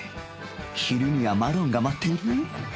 昼にはマロンが待っている！